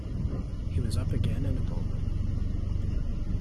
He was up again in a moment.